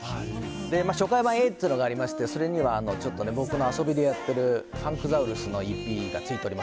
初回盤Ａというのがありまして、それにはちょっと僕の遊びでやってる、ファンクザウルスのＥＰがついております。